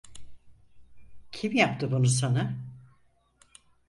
Kim yaptı bunu sana?